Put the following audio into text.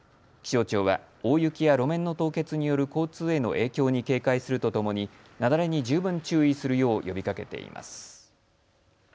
気象庁は大雪や路面の凍結による交通への影響に警戒するとともに雪崩に十分注意するよう呼びかけています。